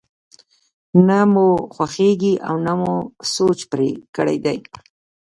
نه مو خوښېږي او نه مو سوچ پرې کړی دی.